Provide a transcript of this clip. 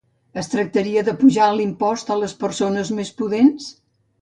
Es tractaria d'apujar l'impost a les persones més pudents?